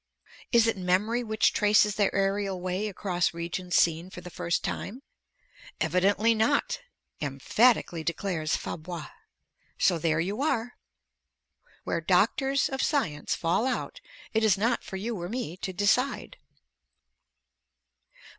Is it memory which traces their aerial way across regions seen for the first time? Evidently not," emphatically declares Fabre. So there you are. Where doctors (of science) fall out it is not for you or me to decide.